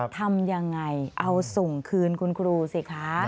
ทำยังไงเอาส่งคืนคุณครูสิคะ